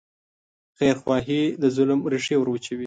خیرخواهي د ظلم ریښې وروچوي.